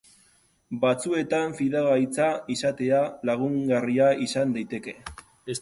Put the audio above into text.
Batzuetan fidagaitza izatea lagungarria izan daiteke.